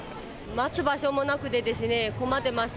待つ場所もなくてですね、困ってます。